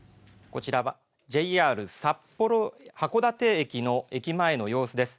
こちらはＪＲ函館駅の駅前の様子です。